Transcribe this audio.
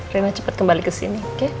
rina cepat kembali kesini oke